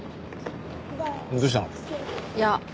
どうしたの？いや。